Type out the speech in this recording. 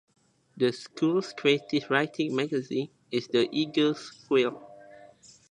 The school's creative writing magazine is the "Eagle's Quill".